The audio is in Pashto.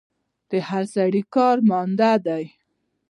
د هر سړي کار ماندۀ دی